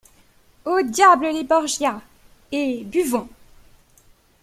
Au diable les Borgia! — et buvons !